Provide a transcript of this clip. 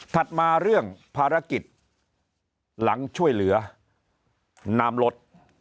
ถัดมาเรื่องภารกิจหลังช่วยเหลือนามรถ